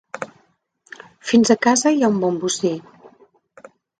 Fins a casa hi ha un bon bocí.